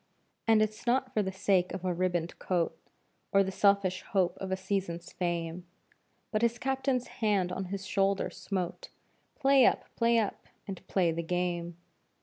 And it's not for the sake of a ribboned coat Or the selfish hope of a season's fame, But his Captain's hand on his shoulder smote; "Play up! Play up! And play the game!"